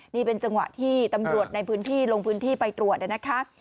นี่เป็นจังหวะที่ตำรวจในพื้นที่ลงพื้นที่ไปตรวจนะคะ